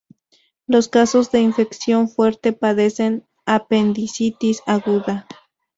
Los casos de infección fuerte padecen apendicitis aguda.